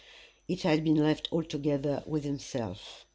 It had been left altogether with himself.